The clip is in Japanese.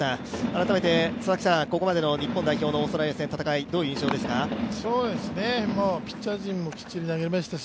改めてここまでの日本代表のオーストラリア戦、どういう印象でした？